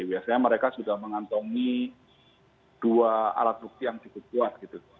biasanya mereka sudah mengantongi dua alat bukti yang cukup kuat gitu